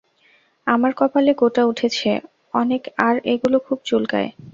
আমার কপালে গোটা উঠেছে অনেক আর এগুলো খুব চুলকায়।